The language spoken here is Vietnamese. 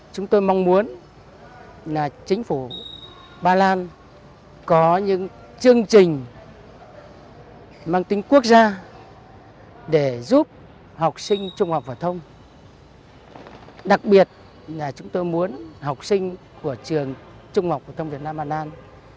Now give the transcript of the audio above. theo chương trình giáo dục của ba lan tại đất nước ba lan